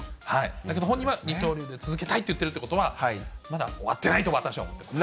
だけど本人は二刀流で続けたいって言ってるってことは、まだ終わってないと私は思います。